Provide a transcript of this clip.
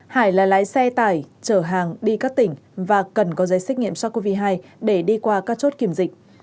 hải là lái xe tải chở hàng đi các tỉnh và cần có giấy xét nghiệm sars cov hai để đi qua các chốt kiểm dịch